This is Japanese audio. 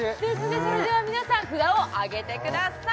それでは皆さん札をあげてください